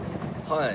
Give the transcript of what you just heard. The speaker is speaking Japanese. はい。